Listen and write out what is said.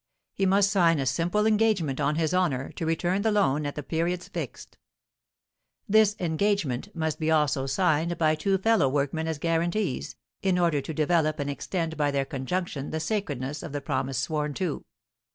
He must sign a simple engagement, on his honour, to return the loan at the periods fixed. This engagement must be also signed by two fellow workmen as guarantees, in order to develop and extend by their conjunction the sacredness of the promise sworn to.